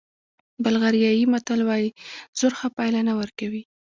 بلغاریایي متل وایي زور ښه پایله نه ورکوي.